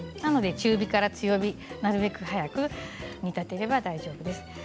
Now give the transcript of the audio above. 中火から強火なるべく早く煮立てれば大丈夫です。